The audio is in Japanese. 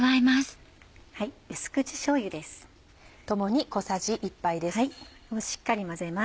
淡口しょうゆです。